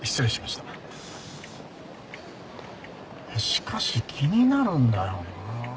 しかし気になるんだよなあ。